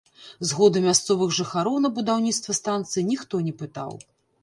Згоды мясцовых жыхароў на будаўніцтва станцыі ніхто не пытаў.